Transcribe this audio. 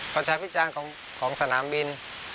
ประชาพิจารณ์ของสนามบิน